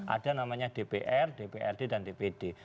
ada namanya dpr dprd dan dpd